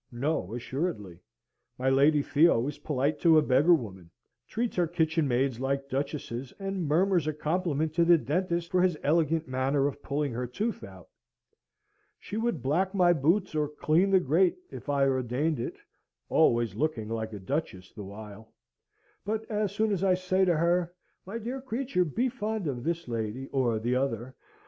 No, assuredly! My Lady Theo is polite to a beggar woman, treats her kitchenmaids like duchesses, and murmurs a compliment to the dentist for his elegant manner of pulling her tooth out. She would black my boots, or clean the grate, if I ordained it (always looking like a duchess the while); but as soon as I say to her, "My dear creature, be fond of this lady, or t'other!"